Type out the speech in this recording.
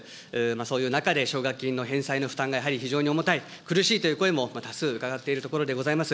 そういう中で、奨学金の返済の負担がやはり非常に重たい、苦しいという声も多数伺っているところでございます。